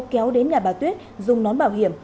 kéo đến nhà bà tuyết dùng nón bảo hiểm